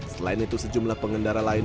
selain itu sejumlah pengendara lain